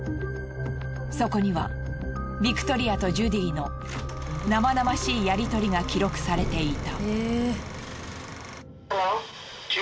そこにはビクトリアとジュディの生々しいやりとりが記録されていた。